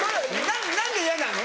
何で嫌なの？